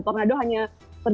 tornado hanya terdekat